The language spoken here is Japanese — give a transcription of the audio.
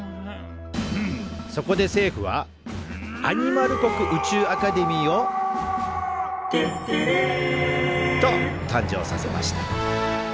そこで政府はアニマル国宇宙アカデミーを「てってれー！」と誕生させました。